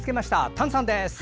丹さんです。